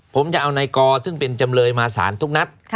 ผมจะเอานายกอซึ่งเป็นจำเลยมาสารทุกนัด